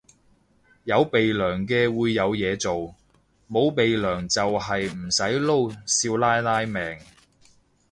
有鼻樑嘅會有嘢做，冇鼻樑就係唔使撈少奶奶命